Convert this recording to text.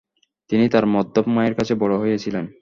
তিনি তাঁর মদ্যপ মায়ের কাছে বড় হয়েছিলেন।